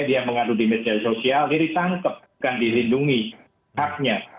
dia mengadu di media sosial jadi tangkep bukan dihidungi haknya